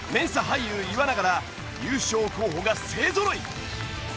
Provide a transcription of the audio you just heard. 俳優岩永ら優勝候補が勢ぞろい！